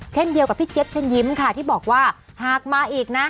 เช่นเดียวกับพี่เจี๊ยบเชิญยิ้มค่ะที่บอกว่าหากมาอีกนะ